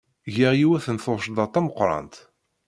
Giɣ yiwet n tuccḍa d tameqrant.